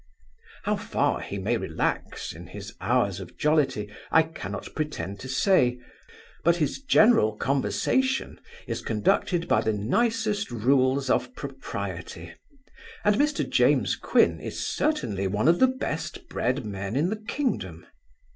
How far he may relax in his hours of jollity, I cannot pretend to say; but his general conversation is conducted by the nicest rules of Propriety; and Mr James Quin is, certainly, one of the best bred men in the kingdom.